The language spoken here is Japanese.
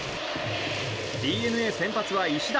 ＤｅＮＡ先発は石田。